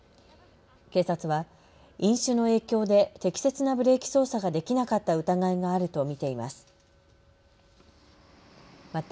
警察は飲酒の影響で適切なブレーキ操作ができなかった疑いがあると見ています。